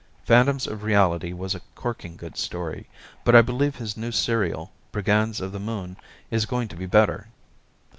"Phantoms of Reality" was a corking good story, but I believe his new serial, "Brigands of the Moon," is going to be better.